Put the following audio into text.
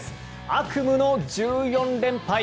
悪夢の１４連敗。